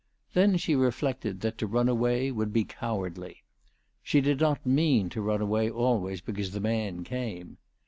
Then she reflected that to run away would be cowardly. She did not mean to run away always because the man came.